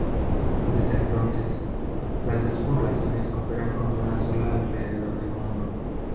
Desde entonces, las dos poblaciones cooperan como una sola alrededor del mundo.